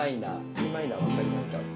Ｅマイナー分かりますか？